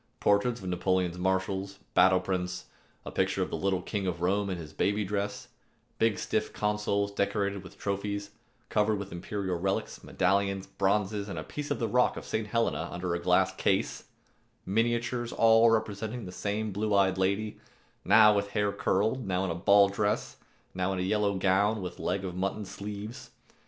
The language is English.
Portraits of Napoleon's marshals, battle prints, a picture of the little King of Rome in his baby dress; big stiff consoles decorated with trophies, covered with imperial relics, medallions, bronzes, a piece of the rock of St. Helena under a glass case, miniatures all representing the same blue eyed lady, now with hair curled, now in a ball dress, now in a yellow gown with leg of mutton sleeves.